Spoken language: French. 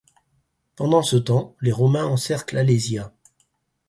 Pendant ce temps, les romains encercle Alésia.